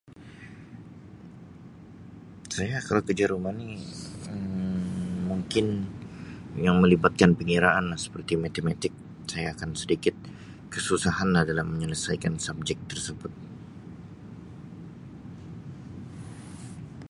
Saya kalau kerja rumah ni Um mungkin yang melibatkan pengiraanlah seperti Matematik saya akan sedikit kesusahanlah dalam menyelesaikan subjek tersebut.